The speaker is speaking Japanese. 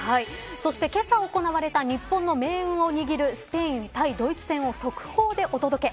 そして、けさ行われた日本の命運を握るスペイン対ドイツ戦を速報でお届け。